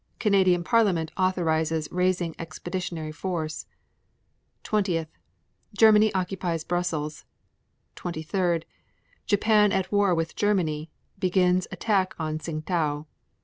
Canadian Parliament authorizes raising expeditionary force. 20. Germans occupy Brussels. 23. Japan at war with Germany. Begins attack on Tsingtau.